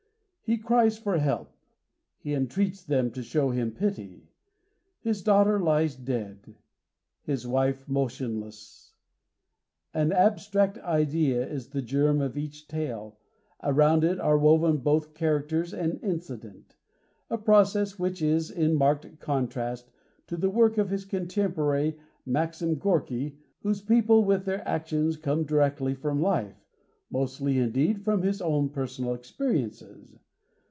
He cries for help; he entreats them to show him pity. His daughter lies dead; his wife motionless. An abstract idea is the germ of each tale; around it are woven both characters and incident—a process which is in marked contrast to the work of his contemporary Maxim Gorky whose people with their actions come directly from life—mostly, indeed, from his own personal experiences.